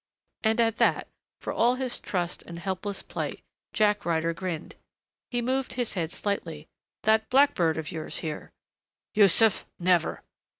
And at that, for all his trussed and helpless plight, Jack Ryder grinned. He moved his head slightly. "That blackbird of yours here." "Yussuf never!"